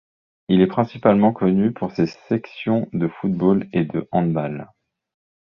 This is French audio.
Il est principalement connu pour ses sections de football et de handball.